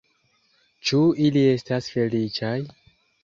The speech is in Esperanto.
Ĉu ili estas feliĉaj?